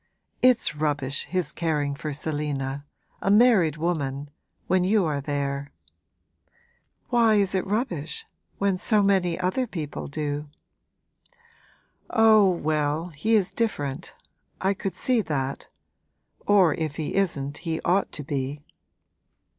It's rubbish, his caring for Selina a married woman when you are there.' 'Why is it rubbish when so many other people do?' 'Oh, well, he is different I could see that; or if he isn't he ought to be!'